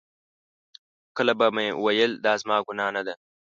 کله به مې ویل دا زما ګناه نه ده.